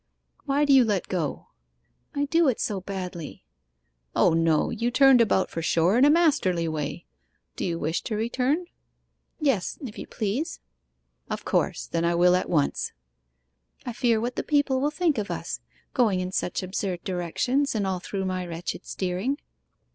'Why do you let go?' 'I do it so badly.' 'O no; you turned about for shore in a masterly way. Do you wish to return?' 'Yes, if you please.' 'Of course, then, I will at once.' 'I fear what the people will think of us going in such absurd directions, and all through my wretched steering.